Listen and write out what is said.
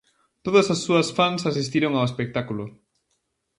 Todas as súas fans asistiron ao espectáculo.